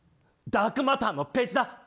ダークマターのページだ。